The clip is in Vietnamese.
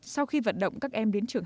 sau khi vận động các em trường trở lại